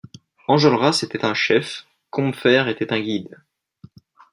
Enjolras était un chef, Combeferre était un guide.